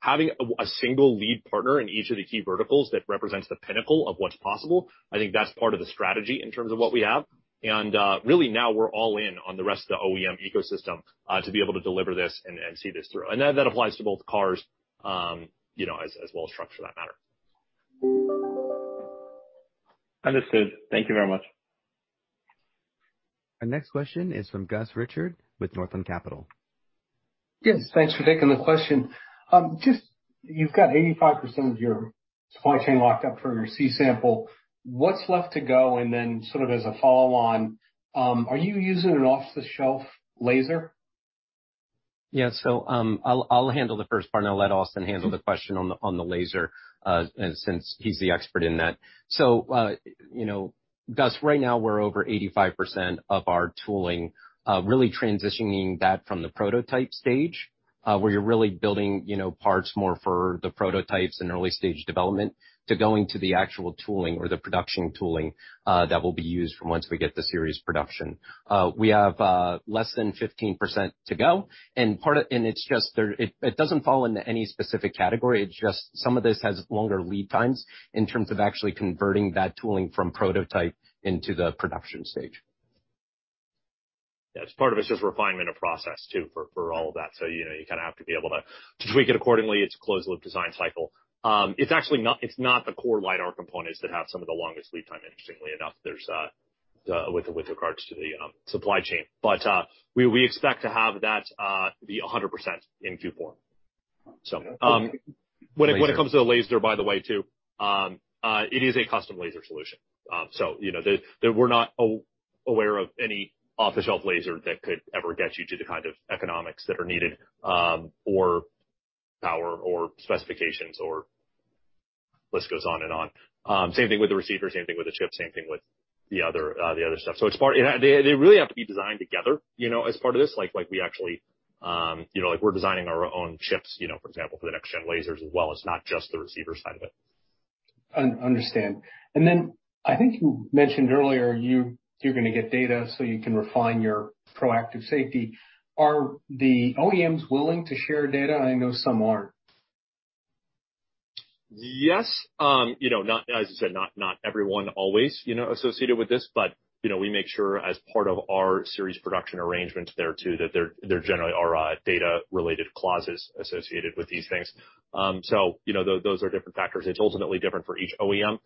Having a single lead partner in each of the key verticals that represents the pinnacle of what's possible, I think that's part of the strategy in terms of what we have. Really now we're all in on the rest of the OEM ecosystem, to be able to deliver this and see this through. That applies to both cars, as well as trucks for that matter.
Understood. Thank you very much.
Our next question is from Gus Richard with Northland Capital.
Yes, thanks for taking the question. You've got 85% of your supply chain locked up for your C-sample. What's left to go? Sort of as a follow-on, are you using an off-the-shelf laser?
I'll handle the first part, and I'll let Austin handle the question on the laser, since he's the expert in that. Gus, right now we're over 85% of our tooling, really transitioning that from the prototype stage, where you're really building parts more for the prototypes and early-stage development to going to the actual tooling or the production tooling that will be used for once we get to series production. We have less than 15% to go, and it doesn't fall into any specific category. It's just some of this has longer lead times in terms of actually converting that tooling from prototype into the production stage.
Yeah, part of it's just refinement of process too, for all of that. You kind of have to be able to tweak it accordingly. It's a closed loop design cycle. It's not the core LiDAR components that have some of the longest lead time, interestingly enough, with regards to the supply chain. We expect to have that be 100% in Q4. When it comes to the laser, by the way, too, it is a custom laser solution. We're not aware of any off-the-shelf laser that could ever get you to the kind of economics that are needed, or power or specifications or list goes on and on. Same thing with the receiver, same thing with the chip, same thing with the other stuff. They really have to be designed together, as part of this. We're designing our own chips, for example, for the next gen lasers as well. It's not just the receiver side of it.
Understand. I think you mentioned earlier, you're going to get data so you can refine your proactive safety. Are the OEMs willing to share data? I know some aren't.
Yes. As you said, not everyone always associated with this, but we make sure as part of our series production arrangements there too, that there generally are data related clauses associated with these things. Those are different factors. It's ultimately different for each OEM.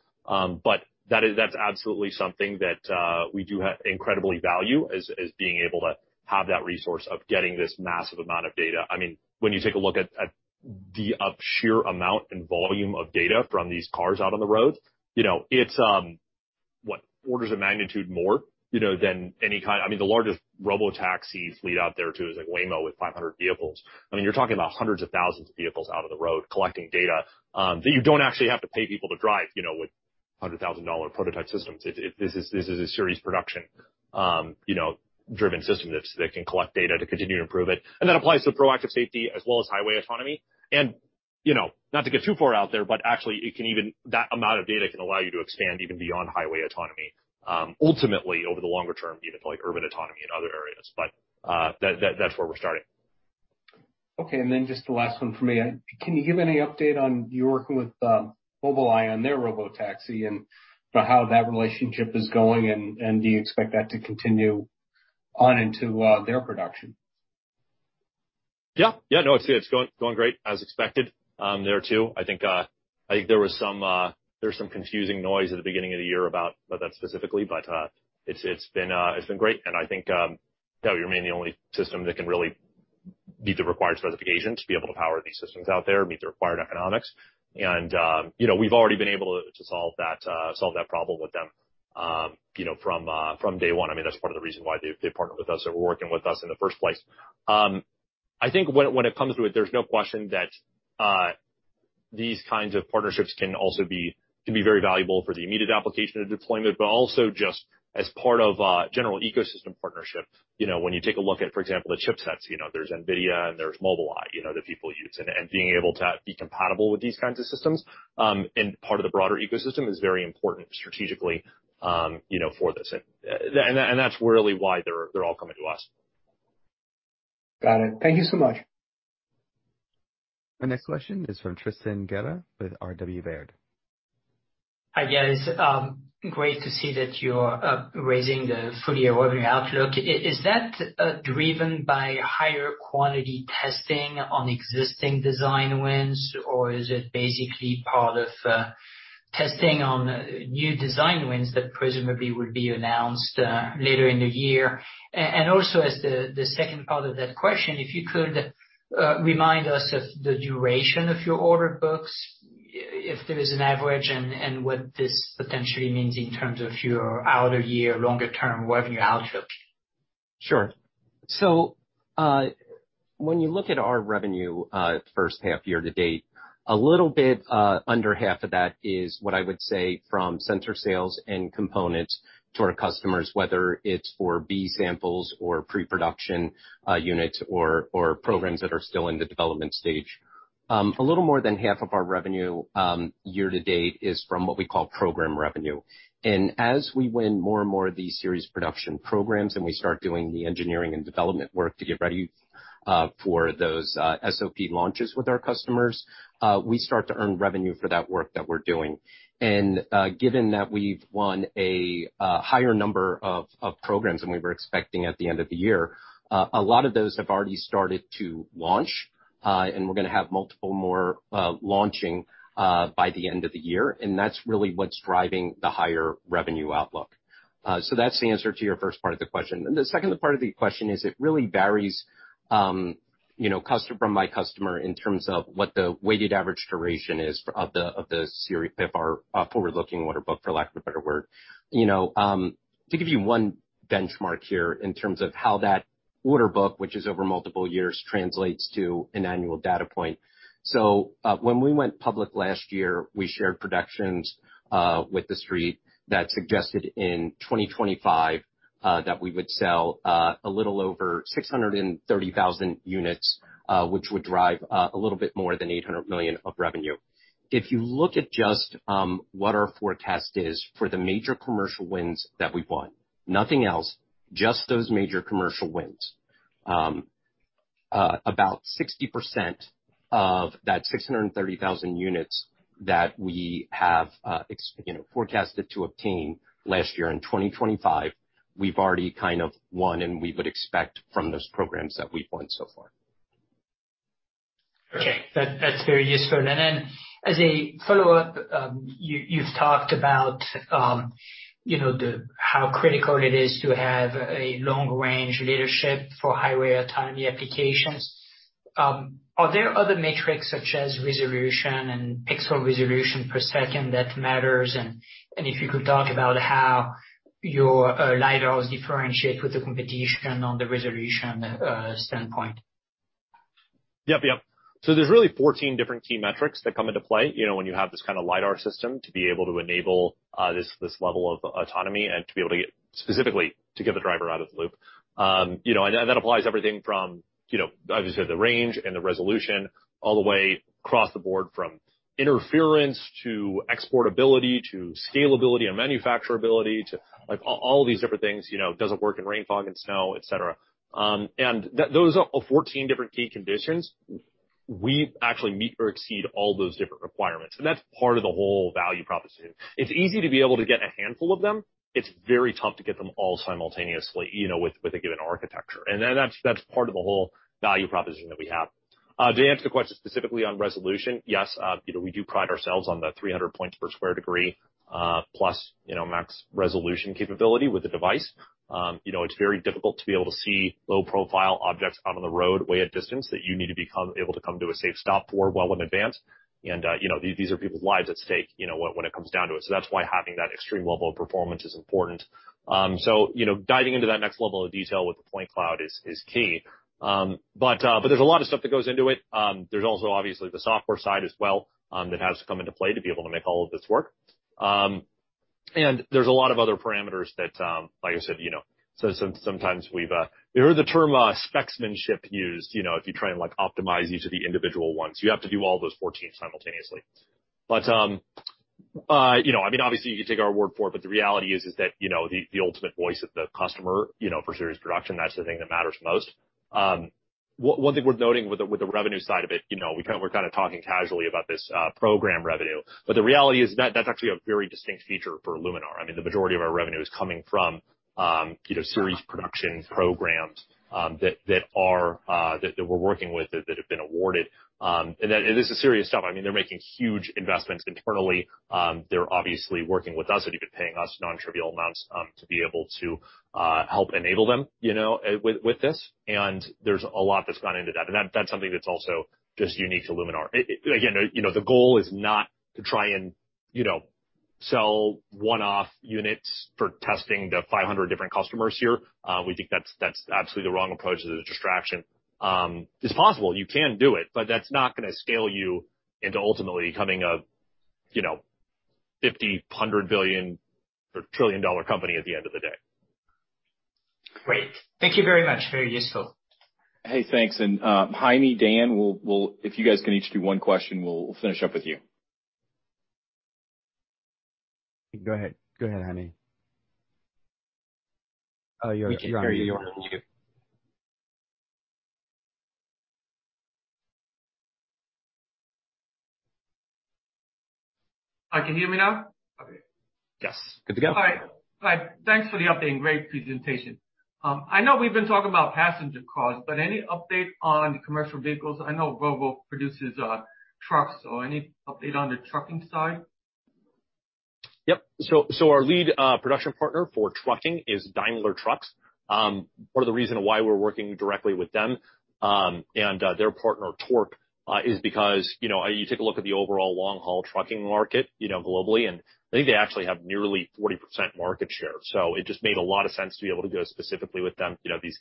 That's absolutely something that we do incredibly value is being able to have that resource of getting this massive amount of data. I mean, when you take a look at the sheer amount and volume of data from these cars out on the road, it's, what, orders of magnitude more than any kind. I mean, the largest robotaxi fleet out there too, is like Waymo with 500 vehicles. I mean, you're talking about hundreds of thousands of vehicles out on the road collecting data, that you don't actually have to pay people to drive, with $100,000 prototype systems. This is a series production driven system that can collect data to continue to improve it. That applies to proactive safety as well as highway autonomy. Not to get too far out there, but actually, that amount of data can allow you to expand even beyond highway autonomy, ultimately over the longer term, even to urban autonomy and other areas. That's where we're starting.
Okay, just the last one for me. Can you give any update on you working with Mobileye on their robotaxi and how that relationship is going? Do you expect that to continue on into their production?
Yeah. No, it's going great as expected there too. I think there was some confusing noise at the beginning of the year about that specifically, but it's been great and I think, you're mainly the only system that can really meet the required specifications to be able to power these systems out there, meet the required economics. We've already been able to solve that problem with them from day one. That's part of the reason why they partnered with us or were working with us in the first place. I think when it comes to it, there's no question that these kinds of partnerships can also be very valuable for the immediate application of deployment, but also just as part of a general ecosystem partnership. When you take a look at, for example, the chipsets, there's NVIDIA and there's Mobileye, that people use. Being able to be compatible with these kinds of systems, and part of the broader ecosystem is very important strategically, for this. That's really why they're all coming to us.
Got it. Thank you so much.
Our next question is from Tristan Gerra with R.W. Baird.
Hi, guys. Great to see that you're raising the full year revenue outlook. Is that driven by higher quality testing on existing design wins, or is it basically part of testing on new design wins that presumably would be announced later in the year? Also, as the second part of that question, if you could remind us of the duration of your order books, if there is an average, and what this potentially means in terms of your outer year longer term revenue outlook.
Sure. When you look at our revenue first half year to date, a little bit under half of that is what I would say from sensor sales and components to our customers, whether it's for B samples or pre-production units or programs that are still in the development stage. A little more than half of our revenue year to date is from what we call program revenue. As we win more and more of these series production programs, and we start doing the engineering and development work to get ready for those SOP launches with our customers, we start to earn revenue for that work that we're doing. Given that we've won a higher number of programs than we were expecting at the end of the year, a lot of those have already started to launch. We're going to have multiple more launching by the end of the year, and that's really what's driving the higher revenue outlook. That's the answer to your first part of the question. The second part of the question is it really varies from my customer in terms of what the weighted average duration is of our forward-looking order book, for lack of a better word. To give you one benchmark here in terms of how that order book, which is over multiple years, translates to an annual data point. When we went public last year, we shared projections with the Street that suggested in 2025, that we would sell a little over 630,000 units, which would drive a little bit more than $800 million of revenue. If you look at just what our forecast is for the major commercial wins that we've won, nothing else, just those major commercial wins, about 60% of that 630,000 units that we have forecasted to obtain last year in 2025, we've already kind of won and we would expect from those programs that we've won so far.
Okay. That's very useful. As a follow-up, you've talked about how critical it is to have a long range LiDAR for highway autonomy applications. Are there other metrics such as resolution and pixel resolution per second that matters? If you could talk about how your LiDARs differentiate with the competition on the resolution standpoint.
Yep. There's really 14 different key metrics that come into play when you have this kind of LiDAR system to be able to enable this level of autonomy and to be able to get, specifically, to get the driver out of the loop. That applies everything from, obviously the range and the resolution, all the way across the board, from interference to exportability, to scalability and manufacturability to all of these different things, doesn't work in rain, fog, and snow, et cetera. Those are all 14 different key conditions. We actually meet or exceed all those different requirements, and that's part of the whole value proposition. It's easy to be able to get a handful of them. It's very tough to get them all simultaneously with a given architecture. That's part of the whole value proposition that we have. To answer the question specifically on resolution, yes, we do pride ourselves on the 300 points per square degree, plus max resolution capability with the device. It's very difficult to be able to see low profile objects out on the roadway at distance that you need to be able to come to a safe stop for well in advance. These are people's lives at stake when it comes down to it. That's why having that extreme level of performance is important. Diving into that next level of detail with the point cloud is key. There's a lot of stuff that goes into it. There's also obviously the software side as well, that has to come into play to be able to make all of this work. There's a lot of other parameters that, like I said, sometimes we've heard the term, specsmanship used. If you try and optimize each of the individual ones, you have to do all those 14 simultaneously. Obviously, you can take our word for it, but the reality is that the ultimate voice of the customer for series production, that's the thing that matters most. One thing worth noting with the revenue side of it, we're kind of talking casually about this program revenue. The reality is that's actually a very distinct feature for Luminar. The majority of our revenue is coming from series production programs that we're working with, that have been awarded. This is serious stuff. They're making huge investments internally. They're obviously working with us and even paying us non-trivial amounts to be able to help enable them with this. There's a lot that's gone into that. That's something that's also just unique to Luminar. Again, the goal is not to try and sell one-off units for testing to 500 different customers here. We think that's absolutely the wrong approach. This is a distraction. It's possible you can do it, but that's not going to scale you into ultimately becoming a $50 billion, $100 billion, or trillion-dollar company at the end of the day.
Great. Thank you very much. Very useful.
Hey, thanks. [Haimy, Dan], if you guys can each do one question, we'll finish up with you. Go ahead, Haimy. Oh, you're on mute.
Can you hear me now? Okay.
Yes. Good to go.
All right. Thanks for the update and great presentation. I know we've been talking about passenger cars, but any update on commercial vehicles? I know Volvo produces trucks, so any update on the trucking side?
Yep. Our lead production partner for trucking is Daimler Truck. Part of the reason why we're working directly with them and their partner, Torc, is because you take a look at the overall long-haul trucking market globally. I think they actually have nearly 40% market share. It just made a lot of sense to be able to go specifically with them. These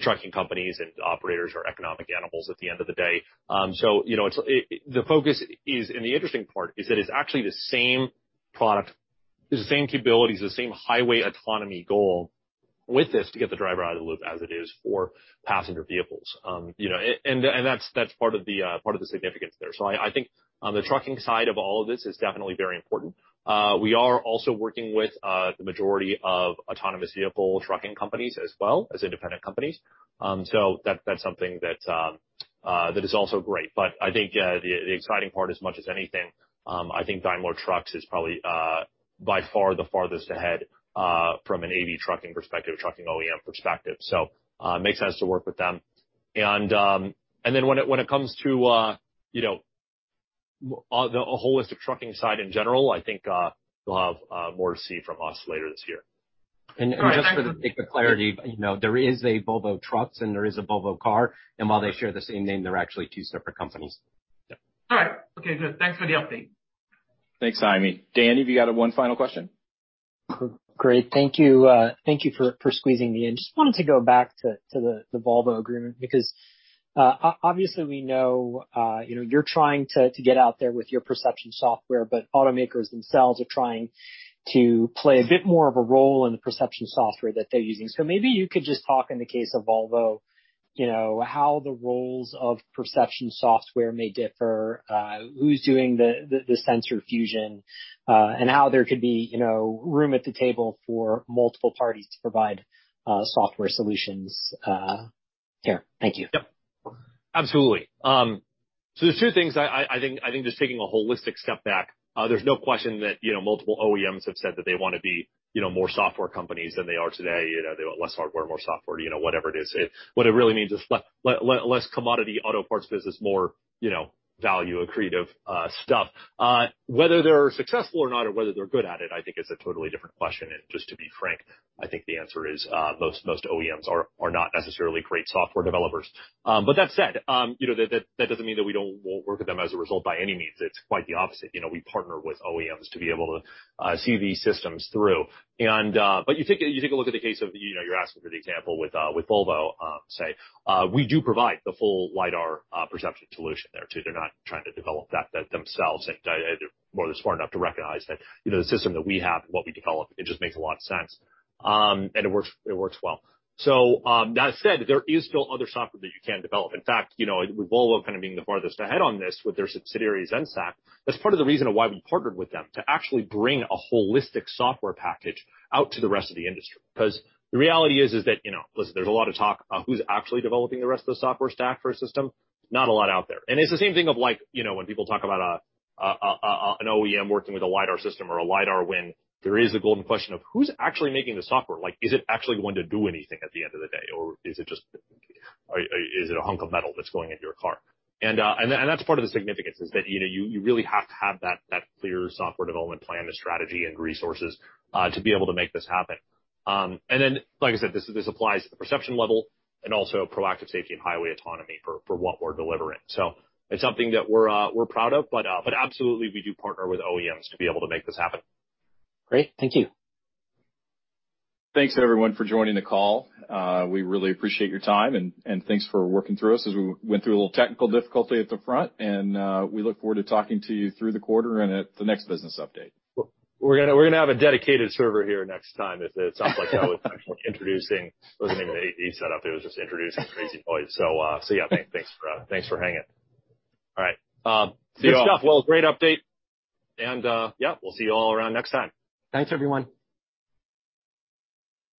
trucking companies and operators are economic animals at the end of the day. The focus is, the interesting part is that it's actually the same product, the same capabilities, the same highway autonomy goal with this to get the driver out of the loop as it is for passenger vehicles. That's part of the significance there. I think on the trucking side of all of this, it's definitely very important. We are also working with the majority of autonomous vehicle trucking companies as well as independent companies. That's something that is also great. I think the exciting part as much as anything, I think Daimler Truck is probably by far the farthest ahead from an AV trucking perspective, trucking OEM perspective. It makes sense to work with them. When it comes to a holistic trucking side in general, I think you'll have more to see from us later this year.
Just for the sake of clarity, there is a Volvo Trucks and there is a Volvo Car, and while they share the same name, they're actually two separate companies.
All right. Okay, good. Thanks for the update.
Thanks, Haimy. Dan, have you got one final question?
Great. Thank you for squeezing me in. Just wanted to go back to the Volvo agreement, because obviously we know you're trying to get out there with your perception software. Automakers themselves are trying to play a bit more of a role in the perception software that they're using. Maybe you could just talk in the case of Volvo, how the roles of perception software may differ, who's doing the sensor fusion, and how there could be room at the table for multiple parties to provide software solutions there. Thank you.
Yep. Absolutely. There's two things, I think just taking a holistic step back, there's no question that multiple OEMs have said that they want to be more software companies than they are today. They want less hardware, more software, whatever it is. What it really means is less commodity auto parts business, more value, accretive stuff. Whether they're successful or not, or whether they're good at it, I think is a totally different question. Just to be frank, I think the answer is most OEMs are not necessarily great software developers. That said, that doesn't mean that we won't work with them as a result by any means. It's quite the opposite. We partner with OEMs to be able to see these systems through. You take a look at the case of, you're asking for the example with Volvo, say, we do provide the full LiDAR perception solution there, too. They're not trying to develop that themselves. They're more than smart enough to recognize that the system that we have, what we develop, it just makes a lot of sense. It works well. That said, there is still other software that you can develop. In fact, with Volvo kind of being the farthest ahead on this with their subsidiary, Zenseact, that's part of the reason why we partnered with them to actually bring a holistic software package out to the rest of the industry. The reality is that, listen, there's a lot of talk, who's actually developing the rest of the software stack for a system? Not a lot out there. It's the same thing of when people talk about an OEM working with a LiDAR system or a LiDAR win, there is the golden question of who's actually making the software? Is it actually going to do anything at the end of the day? Or is it a hunk of metal that's going into your car? That's part of the significance is that you really have to have that clear software development plan and strategy and resources to be able to make this happen. Then, like I said, this applies at the perception level and also proactive safety and highway autonomy for what we're delivering. It's something that we're proud of, but absolutely, we do partner with OEMs to be able to make this happen.
Great. Thank you.
Thanks everyone for joining the call. We really appreciate your time and thanks for working through us as we went through a little technical difficulty at the front. We look forward to talking to you through the quarter and at the next business update.
We're going to have a dedicated server here next time. It sounds like that was actually introducing. It wasn't even the AV setup, it was just introducing crazy points. Yeah. Thanks for hanging. All right. See you all.
Good stuff, Will. Great update.
Yeah, we'll see you all around next time.
Thanks, everyone.